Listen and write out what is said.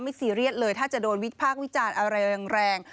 ซีเรียสเลยถ้าจะโดนวิพากษ์วิจารณ์อะไรแรง